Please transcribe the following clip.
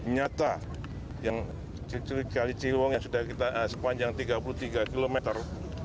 nyata yang kali ciliwung yang sudah kita sepanjang tiga puluh tiga kilometer